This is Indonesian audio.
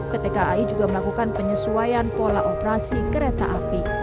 pt kai juga melakukan penyesuaian pola operasi kereta api